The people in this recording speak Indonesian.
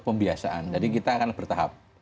pembiasaan jadi kita akan bertahap